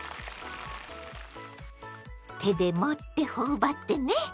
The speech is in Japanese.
手で持って頬張ってね！